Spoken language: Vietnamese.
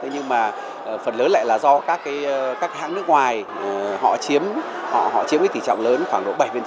nhưng mà phần lớn lại là do các hãng nước ngoài họ chiếm tỉ trọng lớn khoảng độ bảy